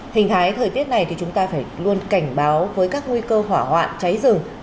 hình thái thời tiết này thì chúng ta phải luôn cảnh báo với các nguy cơ hỏa hoạn cháy rừng